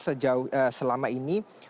sejauh selama ini